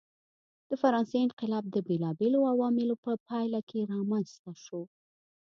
د فرانسې انقلاب د بېلابېلو عواملو په پایله کې رامنځته شو.